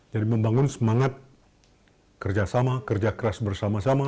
jadi membangun semangat kerja sama kerja keras bersama sama